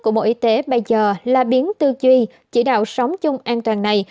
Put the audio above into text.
của bộ y tế bây giờ là biến tư duy chỉ đạo sống chung an toàn này